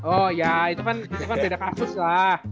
oh ya itu kan beda kasus lah itu kan berbeda kasus lah